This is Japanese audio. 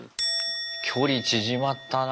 距離縮まったな。